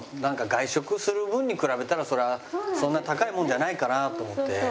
外食する分に比べたらそんな高いもんじゃないかなと思って。